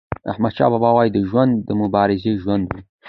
احمدشاه بابا د ژوند د مبارزې ژوند و.